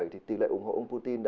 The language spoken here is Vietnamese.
thì tỷ lệ ủng hộ ông putin